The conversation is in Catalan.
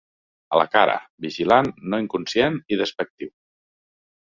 A la cara: vigilant, no inconscient, i despectiu.